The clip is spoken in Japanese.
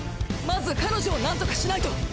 まず彼女を何とかしないと！！